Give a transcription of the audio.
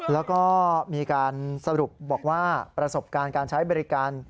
แล้วก็มีการสรุปบอกว่าประสบการณ์การใช้บริการ